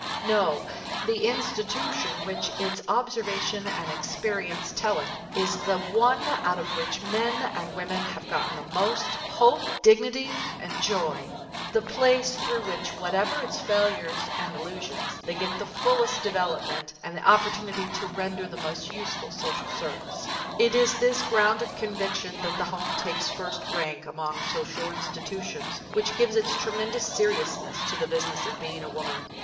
No, to the institution which its observation and experience tell it, is the one out of which men and women have gotten the most hope, dignity, and joy, the place through which, whatever its failures and illusions, they get the fullest development and the opportunity to render the most useful social service. It is this grounded conviction that the home takes first rank among social institutions which gives its tremendous seriousness to the Business of Being a Woman.